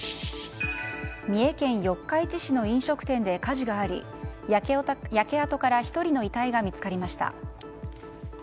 三重県四日市市の飲食店で火事があり焼け跡から１人の遺体が見つかりました。